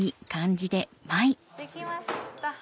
できました。